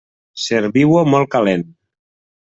Serviu-ho molt calent.